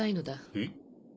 えっ？